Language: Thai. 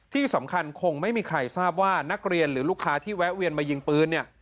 ที่สำคัญคงไม่มีใครทราบว่านักเรียนหรือลูกค้าที่แวะเวียนมายิงปืนเนี่ย